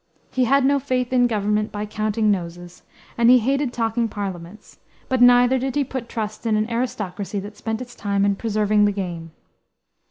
He had no faith in government "by counting noses," and he hated talking parliaments; but neither did he put trust in an aristocracy that spent its time in "preserving the game."